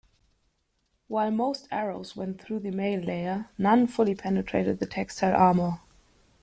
While most arrows went through the mail layer, none fully penetrated the textile armour.